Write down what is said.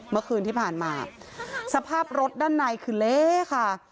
เมื่อคืนที่ผ่านมาสภาพรถด้านในคือเละค่ะ